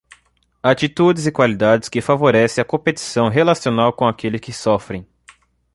Atitudes e qualidades que favorecem a competição relacional com aqueles que sofrem.